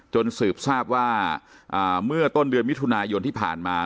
สืบทราบว่าเมื่อต้นเดือนมิถุนายนที่ผ่านมา